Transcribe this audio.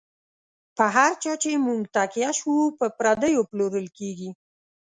په هر چا چی موږ تکیه شو، په پردیو پلورل کیږی